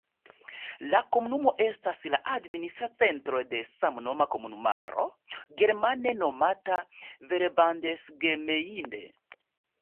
La komunumo estas la administra centro de samnoma komunumaro, germane nomata "Verbandsgemeinde".